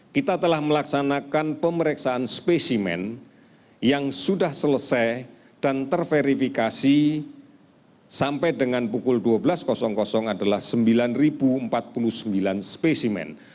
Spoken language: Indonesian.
kita telah melaksanakan pemeriksaan spesimen yang sudah selesai dan terverifikasi sampai dengan pukul dua belas adalah sembilan empat puluh sembilan spesimen